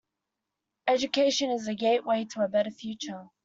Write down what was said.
Education is the gateway to a better future.